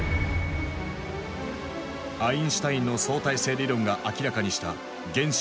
アインシュタインの相対性理論が明らかにした原子の力。